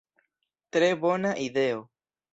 Tre bona ideo!